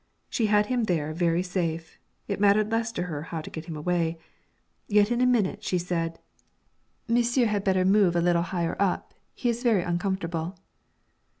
She had him there very safe; it mattered less to her how to get him away; yet in a minute she said 'Monsieur had better move a little higher up; he is very uncomfortable.'